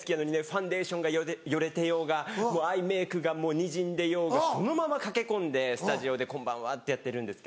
ファンデーションがよれてようがアイメークがにじんでようがこのまま駆け込んでスタジオで「こんばんは」ってやってるんです。